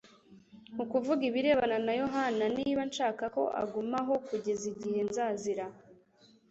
Mu kuvuga ibirebana na Yohana « Niba nshaka ko agumaho kugeza igihe nzazira. »